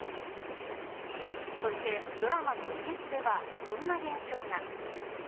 そしてドラマのロケ地ではこんな現象が。